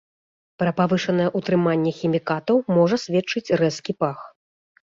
Пра павышанае ўтрыманне хімікатаў можа сведчыць рэзкі пах.